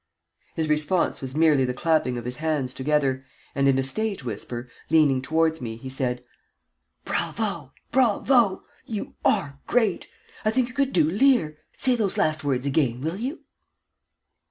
His response was merely the clapping of his hands together, and in a stage whisper, leaning towards me, he said: "Bravo! Bravo! You are great. I think you could do Lear. Say those last words again, will you?"